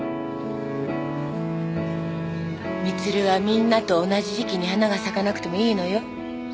光留はみんなと同じ時期に花が咲かなくてもいいのよ。